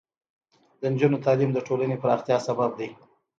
د نجونو تعلیم د ټولنې پراختیا سبب دی.